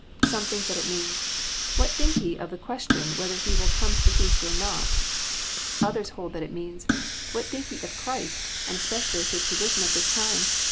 Some think that it means, What think ye of the question, whether He will come to the feast or not? " Others hold that it means, <' What think ye of Christ, and espNBcially of His position at this time